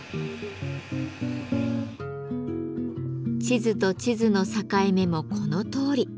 地図と地図の境目もこのとおり。